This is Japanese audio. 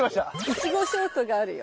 イチゴショートがあるよ。